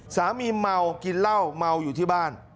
สามีเมากินเหล้าเมาอยู่ที่บ้าน